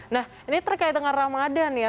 nah ini terkait dengan ramadan ya